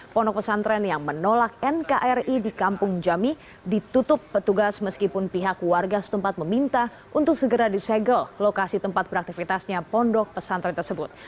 pondok pesantren yang menolak nkri di kampung jami ditutup petugas meskipun pihak warga setempat meminta untuk segera disegel lokasi tempat beraktivitasnya pondok pesantren tersebut